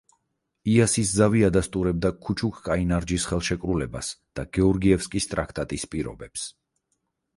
იასის ზავი ადასტურებდა ქუჩუქ-კაინარჯის ხელშეკრულებას და გეორგიევსკის ტრაქტატის პირობებს.